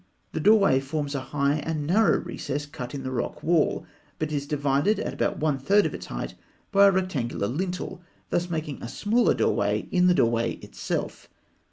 152), the doorway forms a high and narrow recess cut in the rock wall, but is divided, at about one third of its height, by a rectangular lintel, thus making a smaller doorway in the doorway itself.